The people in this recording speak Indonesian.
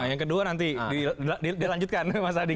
yang kedua nanti dilanjutkan mas adi